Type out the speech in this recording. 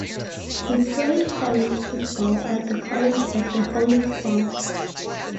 He played college football at the College of the Holy Cross.